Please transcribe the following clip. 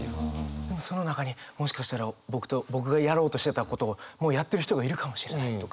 でもその中にもしかしたら僕がやろうとしてたことをもうやってる人がいるかもしれないとか。